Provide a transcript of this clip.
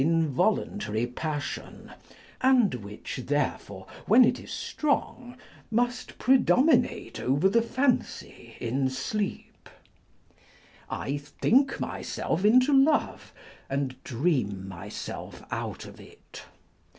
involuntary passion, and which therefore, when it is strong, must predominate over the fancy in sleep. I think myself into love, and dream myself out of it.